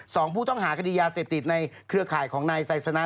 สองผู้ต้องหาคดียาเสพติดในเครือข่ายของนายไซสนะ